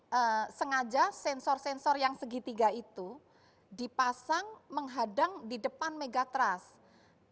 karena sengaja sensor sensor yang segitiga itu dipasang menghadang di depan megatrust